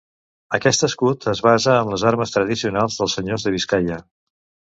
Aquest escut es basa en les armes tradicionals dels Senyors de Biscaia.